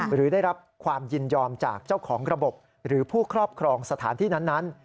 หรือได้รับความยินยอมจากเจ้าของระบบหรือผู้ครอบครองสถานที่นั้น